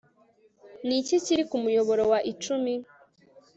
niki kiri kumuyoboro wa icumi